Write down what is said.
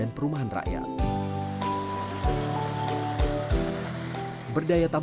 rerumurska sesetengah musim